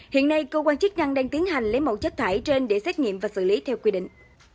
hiện nay cơ quan chức năng đang tiến hành lấy mẫu chất thải trên để xét nghiệm và xử lý theo quy định